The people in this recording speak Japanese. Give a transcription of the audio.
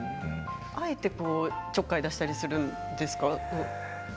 あえてちょっかい出したりするんですか？